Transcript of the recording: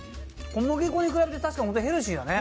小麦粉に比べて本当にヘルシーだね。